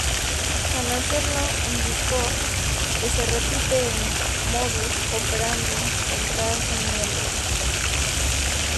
Al hacerlo, indicó que "se repite el "modus operandi" del caso Niembro".